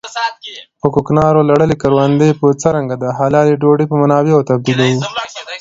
په کوکنارو لړلې کروندې به څرنګه د حلالې ډوډۍ په منابعو تبديلوو.